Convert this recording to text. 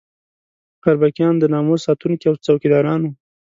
اربکیان د ناموس ساتونکي او څوکیداران وو.